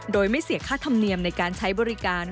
โดยไม่เสียค่าธรรมเนียมในการใช้บริการ